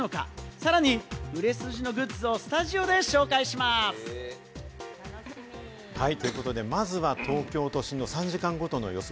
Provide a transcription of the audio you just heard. さらに売れ筋のグッズをスタジオで紹介します！ということで、まずは東京都心の３時間ごとの予想